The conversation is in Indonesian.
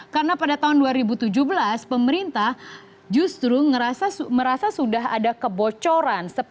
karena pada tahun dua ribu tujuh belas pemerintah justru merasa sudah ada kebocoran